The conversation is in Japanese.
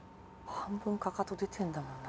半分かかと出てんだもんな